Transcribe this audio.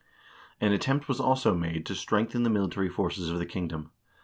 An attempt was also made to strengthen the military forces of the kingdom.